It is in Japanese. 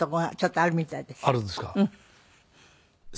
あるんですか？